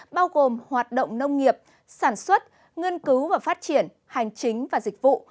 bao gồm hoạt động nông nghiệp sản xuất ngân cứu và phát triển hành chính và dịch vụ